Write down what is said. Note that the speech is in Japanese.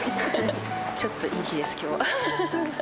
ちょっといい日です、きょうは。